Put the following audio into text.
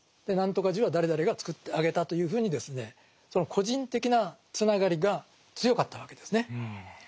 何とか寺は誰々がつくってあげたというふうにですねその個人的なつながりが強かったわけですね。